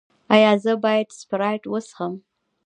ایا زه باید سپرایټ وڅښم؟